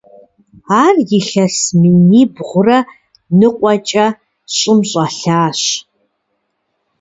Ар илъэс минибгъурэ ныкъуэкӀэ щӀым щӀэлъащ.